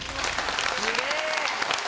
すげえ！